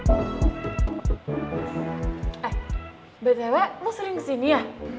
eh betta lo sering kesini ya